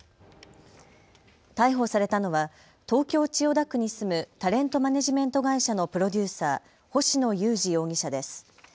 逮捕されたのは東京千代田区に住むタレントマネージメント会社のプロデューサー、星野友志容疑者です。